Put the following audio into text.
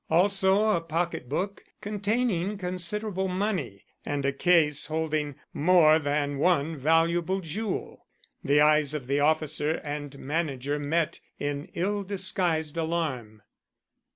Also a pocketbook containing considerable money and a case holding more than one valuable jewel. The eyes of the officer and manager met in ill disguised alarm.